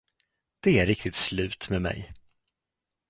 Det är riktigt slut med mig.